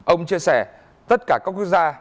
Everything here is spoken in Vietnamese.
ông chia sẻ tất cả các quốc gia